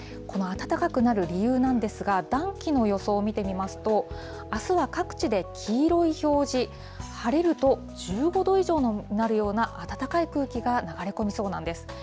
この暖かくなる理由なんですが、暖気の予想を見てみますと、あすは各地で黄色い表示、晴れると１５度以上になるような暖かい空気が流れ込みそうなんです。